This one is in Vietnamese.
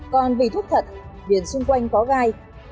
còn vị thuốc thật viền xung quanh có gai